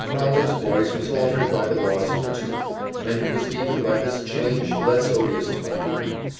Fowler's voice was altered by the loss of a tooth, and it was even by this change less odious to my ear.